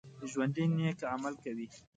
ژوندي نیک عمل کوي